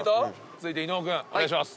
続いて伊野尾君お願いします。